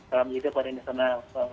salam juga pada indonesia